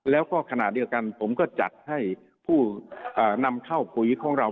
แล้วก็ขณะเดียวกันผมก็จัดให้ผู้นำเข้าปุ๋ยของเรา